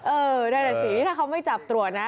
เออได้เลยสิถ้าเขาไม่จับตรวจนะ